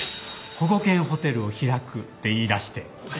保護犬ホテルを開くって言いだして。